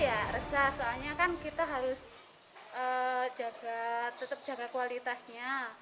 ya tidak resah ya resah soalnya kan kita harus tetap jaga kualitasnya